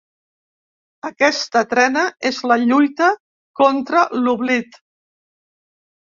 Aquesta trena és la lluita contra l’oblit.